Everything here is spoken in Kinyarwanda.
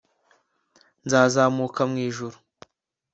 Nzazamuka mu ijuru,